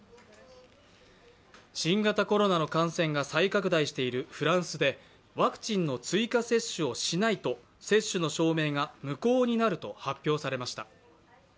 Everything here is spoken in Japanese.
新型コロナの感染が再拡大しているフランスでワクチンの追加接種をしないと接種の証明が無効になると発表されました。